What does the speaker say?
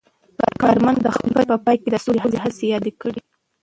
کارمل د خپل لیک په پای کې د سولې هڅې یادې کړې.